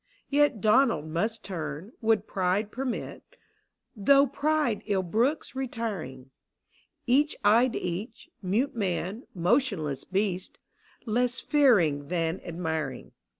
Yet Donald must turn, would pride permit, Though pride ill brooks retiring: Each eyed each — mute man, motionless beast — Less fearing than admiring.